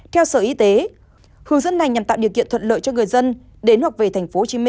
theo sở y tế hướng dẫn này nhằm tạo điều kiện thuận lợi cho người dân đến hoặc về tp hcm